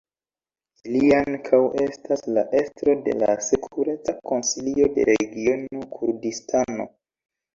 Li ankaŭ estas la estro de la Sekureca Konsilio de Regiono Kurdistano.